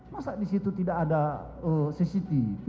masa di situ tidak ada cctv